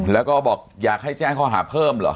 แล้วก็บอกอยากให้แจ้งข้อหาเพิ่มเหรอ